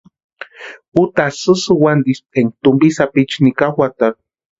Utasï sïsïwantisti énka tumpi sapichu nika juatarhu.